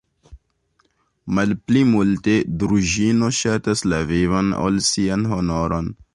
Malpli multe Druĵino ŝatas la vivon, ol sian honoron!